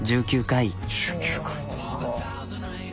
１９回。